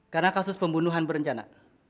karena kasus pembunuhan berencana